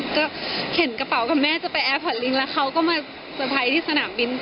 ก็เข็นกระเป๋ากับแม่จะไปแอร์พอร์ตลิงแล้วเขาก็มาเตอร์ไพรส์ที่สนามบิน